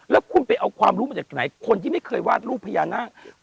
แล้วคุณไปเอาความรู้มาจากไหนคนที่ไม่เคยวาดรูปพญานาค